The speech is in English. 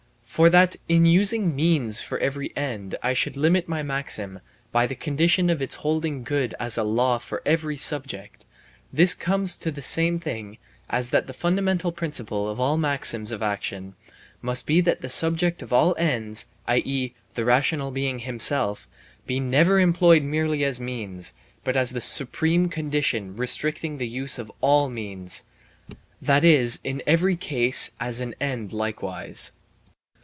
For that in using means for every end I should limit my maxim by the condition of its holding good as a law for every subject, this comes to the same thing as that the fundamental principle of all maxims of action must be that the subject of all ends, i.e., the rational being himself, be never employed merely as means, but as the supreme condition restricting the use of all means, that is in every case as an end likewise.